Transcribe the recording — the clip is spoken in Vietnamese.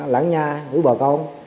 lãng nha với bà con